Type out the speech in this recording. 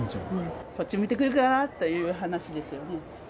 こっち向いてくれるかなという話ですよね。